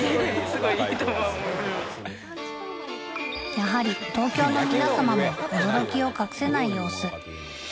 やはり東京の皆様も驚きを隠せない様子